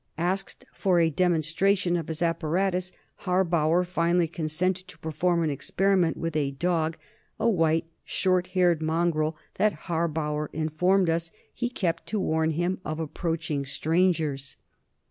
Asked for a demonstration of his apparatus, Harbauer finally consented to perform an experiment with a dog a white, short haired mongrel that, Harbauer informed us, he kept to warn him of approaching strangers.